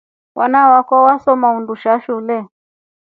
Wana wakwa wasoma undusha shule.